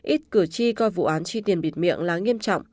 ít cử tri coi vụ án chi tiền bịt miệng là nghiêm trọng